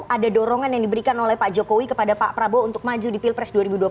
ada dorongan yang diberikan oleh pak jokowi kepada pak prabowo untuk maju di pilpres dua ribu dua puluh empat